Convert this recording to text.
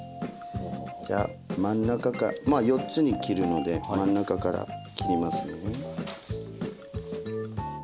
じゃあ真ん中かまあ４つに切るので真ん中から切りますね。